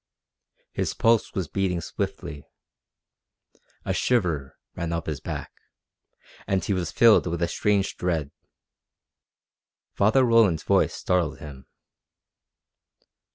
His pulse was beating swiftly. A shiver ran up his back, and he was filled with a strange dread. Father Roland's voice startled him.